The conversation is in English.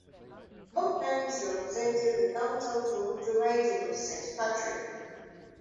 Both times he represented the downtown Toronto riding of Saint Patrick.